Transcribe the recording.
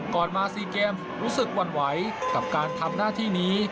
ก่อนมา๔เกมรู้สึกหวั่นไหวกับการทำหน้าที่นี้